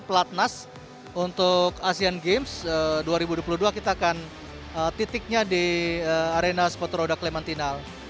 pelatnas untuk asean games dua ribu dua puluh dua kita akan titiknya di arena sepatu roda klementinal